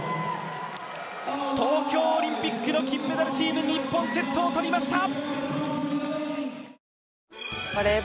東京オリンピックの金メダルチームに、日本、セットを取りました！